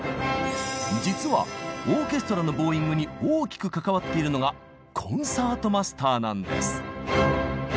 実はオーケストラのボウイングに大きく関わっているのがコンサートマスターなんです。